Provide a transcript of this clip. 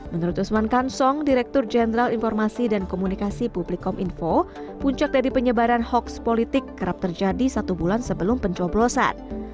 menurut usman kansong direktur jenderal informasi dan komunikasi publik kominfo puncak dari penyebaran hoax politik kerap terjadi satu bulan sebelum pencoblosan